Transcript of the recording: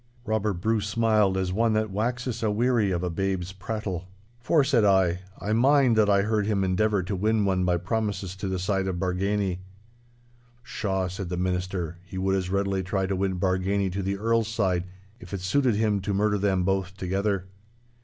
Robert Bruce smiled as one that waxes aweary of a babe's prattle. 'For,' said I, 'I mind that I heard him endeavour to win one by promises to the side of Bargany—' 'Pshaw,' said the Minister, 'he would as readily try to win Bargany to the Earl's side, if it suited him to murder them both together.